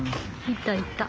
いたいた。